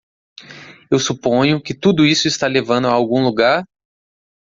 Eu suponho que tudo isso está levando a algum lugar?